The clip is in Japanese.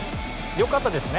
良かったですよね？